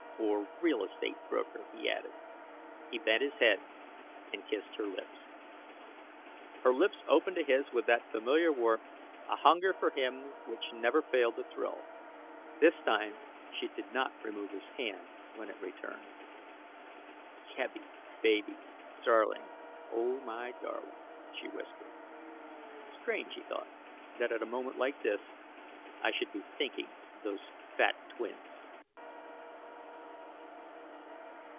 Or real estate broker," he added. He bent his head and kissed her lips. Her lips opened to his with that familiar warmth, a hunger for him which never failed to thrill. This time she did not remove his hand when it returned. "... Kevie, baby darling ... oh, my darling," she whispered. Strange, he thought, that at a moment like this, I should be thinking of those fat twins....